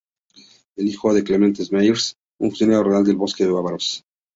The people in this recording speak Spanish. Era hijo de Clemens Mayr, un funcionario Real de los bosque bávaros.